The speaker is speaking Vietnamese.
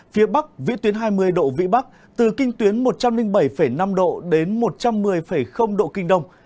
phía bắc vĩ tuyến hai mươi độ vĩ bắc từ kinh tuyến một trăm linh bảy năm độ đến một trăm một mươi độ kinh đông